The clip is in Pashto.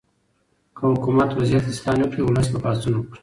که حکومت وضعیت اصلاح نه کړي، ولس به پاڅون وکړي.